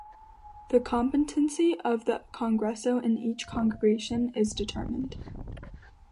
The competency of the 'congresso' in each congregation is determined.